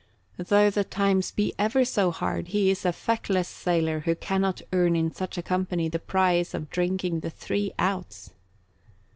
Though the times be ever so hard, he is a feckless sailor who cannot earn in such a company the price of drinking the three outs.